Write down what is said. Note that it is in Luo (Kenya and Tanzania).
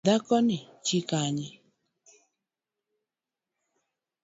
Dhakoni chi Kanye?